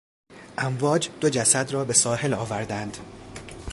امواج دو جسد را به ساحل آوردند.